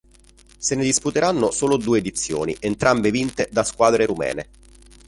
Se ne disputeranno solo due edizioni, entrambe vinte da squadre rumene.